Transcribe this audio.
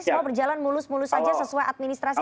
semua berjalan mulus mulus saja sesuai administrasi